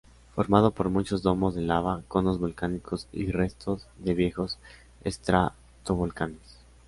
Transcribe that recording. Formado por muchos domos de lava, conos volcánicos y restos de viejos estratovolcanes.